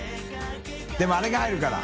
任あれが入るから。